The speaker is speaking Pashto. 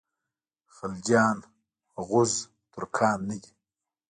خلجیان غوز ترکان نه دي.